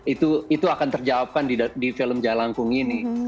itu itu akan terjawabkan di film jalangkung ini